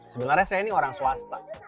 sebenarnya saya ini orang swasta